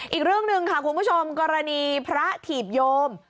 อีกเรื่องหนึ่งค่ะคุณผู้ชมกรณีพระถีบโยม